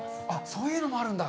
そういうのもあるんだ。